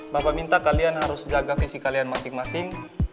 bapak minta kalian harus jaga fisik kalian masing masing